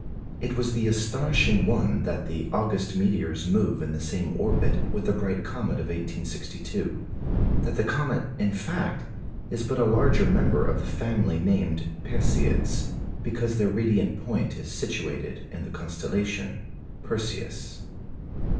It was the astonishing one that the August meteors move in the same orbit with the bright comet of 1862 that the comet, in fact, is but a larger member of the family named "Perseids" because their radiant point is situated in the constellation Perseus.